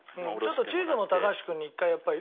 ちょっとチーズも高橋君に１回やっぱり。